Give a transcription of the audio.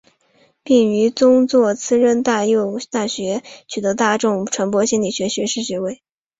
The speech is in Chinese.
并于宗座慈幼大学取得大众传播心理学学士学位。